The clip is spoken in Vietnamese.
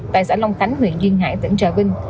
tại xã long khánh huyện duyên hải tỉnh trà vinh